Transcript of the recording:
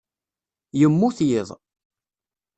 Yemmut yiḍ.